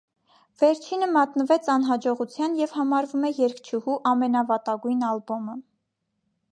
Վերջինը մատնվեց անհաջողության և համարվում է երգչուհու ամենավատագույն ալբոմը։